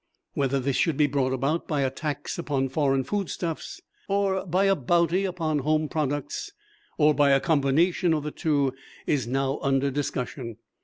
Whether this should be brought about by a tax upon foreign foodstuffs, or by a bounty upon home products, or by a combination of the two, is now under discussion.